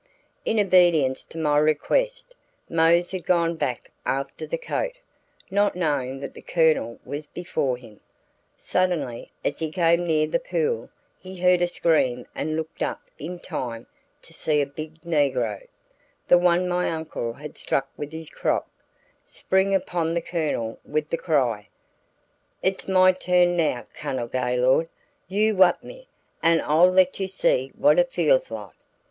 In obedience to my request, Mose had gone back after the coat, not knowing that the Colonel was before him. Suddenly, as he came near the pool he heard a scream and looked up in time to see a big negro the one my uncle had struck with his crop spring upon the Colonel with the cry, "It's my tu'n, now, Cunnel Gaylord. You whup me, an' I'll let you see what it feels like."